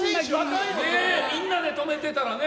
みんなで止めてたらね。